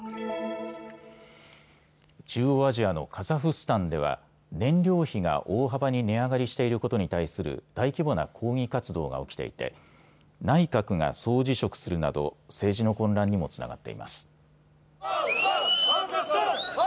中央アジアのカザフスタンでは燃料費が大幅に値上がりしていることに対する大規模な抗議活動が起きていて内閣が総辞職するなど政治の混乱にもつながっています。